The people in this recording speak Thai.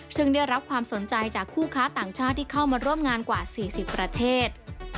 ซึ่งได้รับความสนใจจากคู่ค้าต่างชาติที่เข้ามาร่วมงานกว่า๔๐ประเทศ